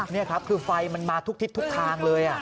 นี่ครับคือไฟมันมาทุกทิศทุกทางเลย